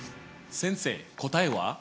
先生答えは？